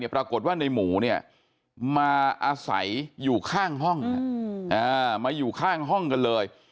ปรากฏว่าในหมูเนี่ยมาอาศัยอยู่ข้างห้องมาอยู่ข้างห้องกันเลย